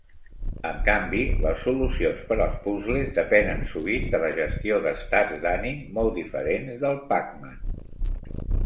En canvi, les solucions per als puzles depenen sovint de la gestió d'Estats d'ànim molt diferents del Pac-Man.